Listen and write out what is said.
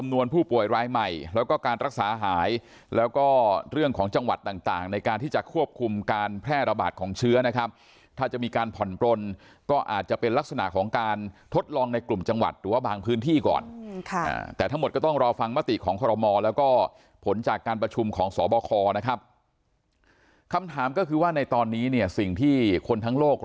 ผู้ป่วยรายใหม่แล้วก็การรักษาหายแล้วก็เรื่องของจังหวัดต่างในการที่จะควบคุมการแพร่ระบาดของเชื้อนะครับถ้าจะมีการผ่อนปลนก็อาจจะเป็นลักษณะของการทดลองในกลุ่มจังหวัดหรือว่าบางพื้นที่ก่อนค่ะแต่ทั้งหมดก็ต้องรอฟังมติของคอรมอแล้วก็ผลจากการประชุมของสบคนะครับคำถามก็คือว่าในตอนนี้เนี่ยสิ่งที่คนทั้งโลก